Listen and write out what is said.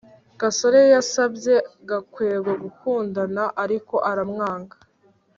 gasore yasabye gakwego gukundana, ariko aramwanga